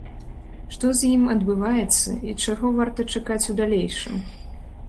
Што з ім адбываецца і чаго варта чакаць у далейшым?